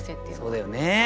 そうだよね。